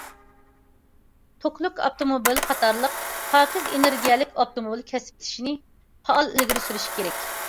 توكلۇق ئاپتوموبىل قاتارلىق پاكىز ئېنېرگىيەلىك ئاپتوموبىل كەسىپلىشىشنى پائال ئىلگىرى سۈرۈش كېرەك.